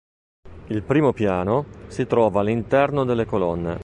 Il primo piano si trova all'interno delle colonne.